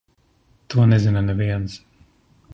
To nezina neviens.